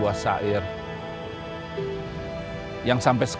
udah agak aboran karinter